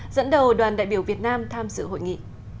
dẫn đầu đoàn đại biểu việt nam tham dự hội nghị